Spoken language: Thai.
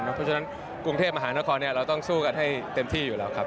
เพราะฉะนั้นกรุงเทพมหานครเราต้องสู้กันให้เต็มที่อยู่แล้วครับ